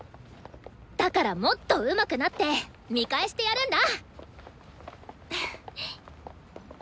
だからもっとうまくなって見返してやるんだ！